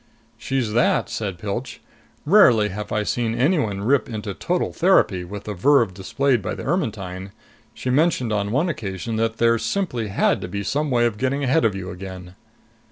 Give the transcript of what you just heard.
"She's that," said Pilch. "Rarely have I seen anyone rip into total therapy with the verve displayed by the Ermetyne. She mentioned on one occasion that there simply had to be some way of getting ahead of you again."